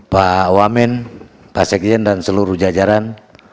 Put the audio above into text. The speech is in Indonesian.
pak wamen pak sekjen dan seluruh jajaran